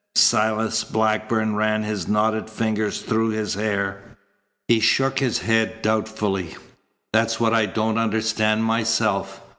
Silas Blackburn ran his knotted fingers through his hair. He shook his head doubtfully. "That's what I don't understand myself.